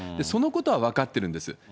そのことは分かってるんです。